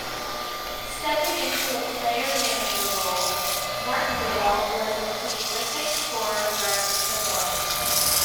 Stepping into a player-manager role, Martindale was a prolific scorer for the club.